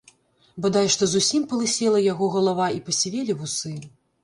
Бадай што зусім палысела яго галава і пасівелі вусы.